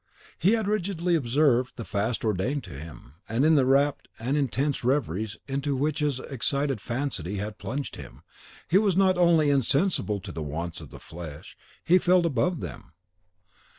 He had rigidly observed the fast ordained to him; and in the rapt and intense reveries into which his excited fancy had plunged him, he was not only insensible to the wants of the flesh, he felt above them.